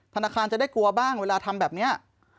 ธนาคารจะได้กลัวบ้างเวลาทำแบบนี้